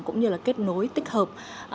cũng như là kết nối tích hợp